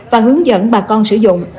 và hướng dẫn bà con sử dụng